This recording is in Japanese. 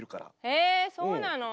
えそうなの？